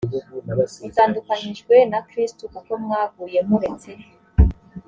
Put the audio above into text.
mutandukanijwe na kristo kuko mwaguye muretse